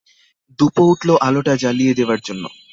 দুপোঁ উঠল আলোটা জ্বলিয়ে দেবার জন্যে।